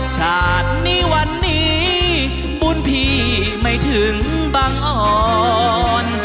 ชาตินี้วันนี้บุญพี่ไม่ถึงบังอ่อน